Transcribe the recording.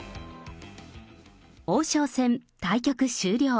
王将戦、対局終了。